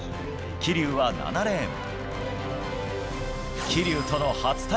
桐生は７レーン。